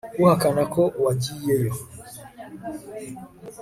uhakana ko wagiyeyo